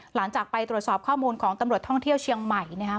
หลังจากไปตรวจสอบข้อมูลของตำรวจท่องเที่ยวเชียงใหม่นะครับ